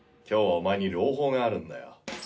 今日はお前に朗報があるんだよ。